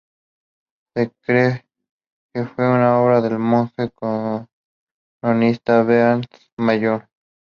Se cree que fue obra del monje cronista Bernat Mallol.